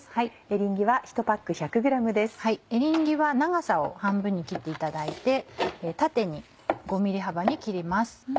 エリンギは長さを半分に切っていただいて縦に５ｍｍ幅に切ります。